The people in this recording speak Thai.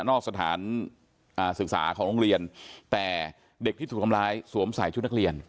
นอกสถานศึกษาของโรงเรียนแต่เด็กที่ถูกทำร้ายสวมใส่ชุดนักเรียน